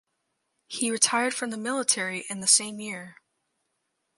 He retired from the military in the same year.